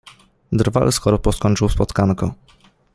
Drwal z korpo skończył spotkanko.